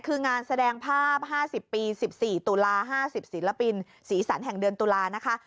คืองานแสดงภาพ๕๐ปี๑๔ตุลา๕๐ศิลปินสีสันแห่งเดือนตุลานะคะ